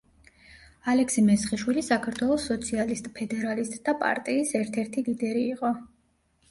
ალექსი-მესხიშვილი საქართველოს სოციალისტ-ფედერალისტთა პარტიის ერთ-ერთი ლიდერი იყო.